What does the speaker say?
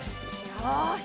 よし。